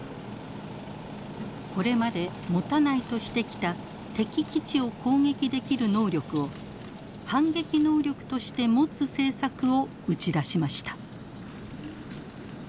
これまで持たないとしてきた敵基地を攻撃できる能力を反撃能力として持つ政策を打ち出しました。